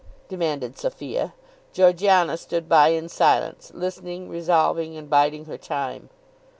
demanded Sophia. Georgiana stood by in silence, listening, resolving, and biding her time.